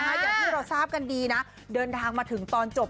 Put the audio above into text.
อย่างที่เราทราบกันดีนะเดินทางมาถึงตอนจบ